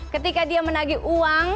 ketika dia menagih uang